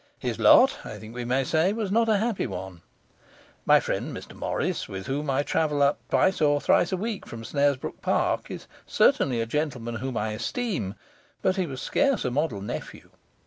His lot (I think we may say) was not a happy one. My friend, Mr Morris, with whom I travel up twice or thrice a week from Snaresbrook Park, is certainly a gentleman whom I esteem; but he was scarce a model nephew.